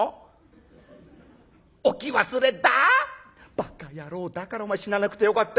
ばか野郎だからお前死ななくてよかった。